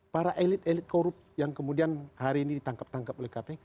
para elit elit korup yang kemudian hari ini ditangkap tangkap oleh kpk